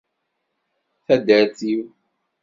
Taddart-iw.